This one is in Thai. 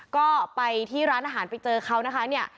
ก็ไปที่ร้านอาหารไปเจอเขานะคะเนี่ย